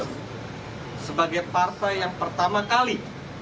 mengusung nasdem sebagai partai yang pertama kali